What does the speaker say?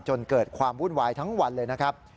จนเกิดความวุ่นวายทั้งวันเลยนะครับ